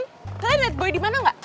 tata liat boy dimana gak